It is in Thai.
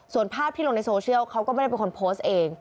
ส่วนภาพที่ลงในโซเชียลเขาก็ไม่ได้เป็นคนโพสต์เอง